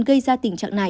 gây ra tình trạng này